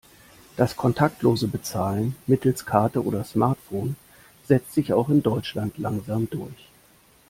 Das kontaktlose Bezahlen mittels Karte oder Smartphone setzt sich auch in Deutschland langsam durch.